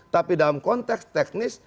tapi dalam konteks teknis